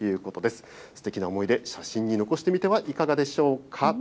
すてきな思い出、写真に残してみてはいかがでしょうか。